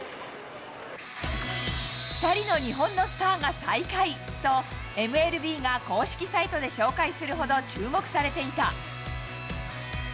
２人の日本のスターが再会と、ＭＬＢが公式サイトで紹介するほど注目されていた。